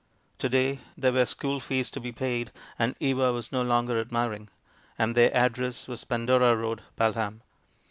To day there were school fees to be paid, and Eva was no longer admiring, and their address was Pandora Road, Balham.